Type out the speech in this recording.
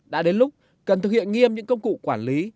đã đến lúc cần thực hiện nghiêm những công cụ quản lý